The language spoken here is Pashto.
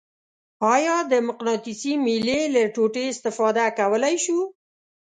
آیا د مقناطیسي میلې له ټوټې استفاده کولی شو؟